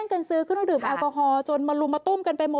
ขอโทษนะคะมาล่วงหน่วยก่อนครับ